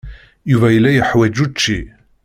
Yuba yella yeḥwaj učči.